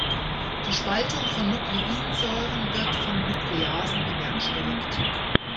Die Spaltung von Nukleinsäuren wird von Nukleasen bewerkstelligt.